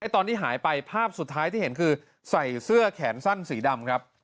ตอนที่หายไปภาพสุดท้ายที่เห็นคือใส่เสื้อแขนสั้นสีดำครับ